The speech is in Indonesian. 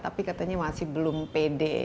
tapi katanya masih belum pede